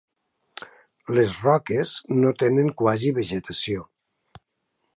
Les roques no tenen quasi vegetació.